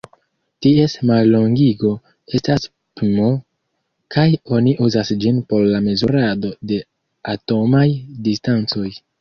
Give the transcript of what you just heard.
Ties mallongigo estas pm kaj oni uzas ĝin por la mezurado de atomaj distancoj.